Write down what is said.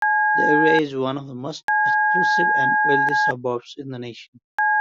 The area is one of the most exclusive and wealthy suburbs in the nation.